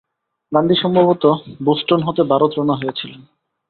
গান্ধী সম্ভবত বোষ্টন হতে ভারত রওনা হয়েছিলেন।